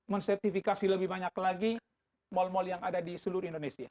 mensertifikasi lebih banyak lagi mal mal yang ada di seluruh indonesia